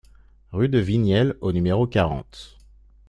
Rue de Vignelle au numéro quarante